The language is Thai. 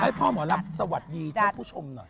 ให้พ่อหมอลำสวัสดีทุกผู้ชมหน่อย